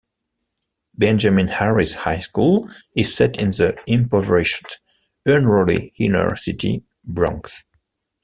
Benjamin Harris High School is set in the impoverished, unruly inner-city Bronx.